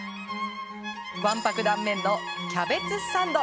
わんぱく断面のキャベツサンド。